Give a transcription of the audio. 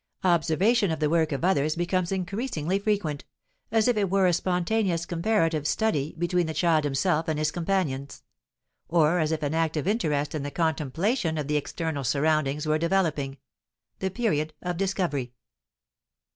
Observation of the work of others becomes increasingly frequent, as if it were a spontaneous "comparative" study between the child himself and his companions; or as if an active interest in the contemplation of the external surroundings were developing: the period of discovery.